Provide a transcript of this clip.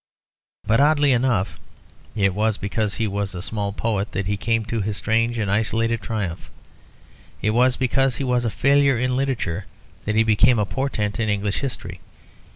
But, oddly enough, it was because he was a small poet that he came to his strange and isolated triumph. It was because he was a failure in literature that he became a portent in English history.